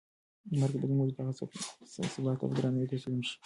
مرګ به زموږ دغه ثبات ته په درناوي تسلیم شي.